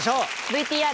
ＶＴＲ。